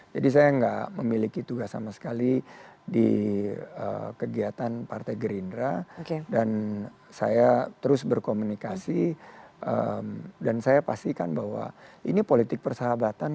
jadi saya gak memiliki tugas sama sekali di kegiatan partai gerindra dan saya terus berkomunikasi dan saya pastikan bahwa ini politik persahabatan